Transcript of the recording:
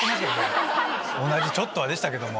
同じ「ちょっとは」でしたけども。